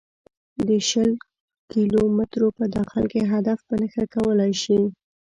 د شل کیلو مترو په داخل کې هدف په نښه کولای شي